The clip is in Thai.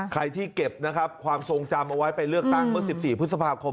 ใครที่เก็บนะครับความทรงจำเอาไว้ไปเลือกตั้งเมื่อ๑๔พฤษภาคม